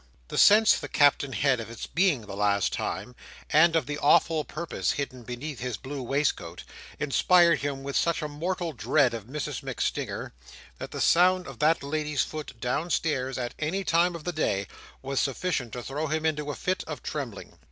The sense the Captain had of its being the last time, and of the awful purpose hidden beneath his blue waistcoat, inspired him with such a mortal dread of Mrs MacStinger, that the sound of that lady's foot downstairs at any time of the day, was sufficient to throw him into a fit of trembling.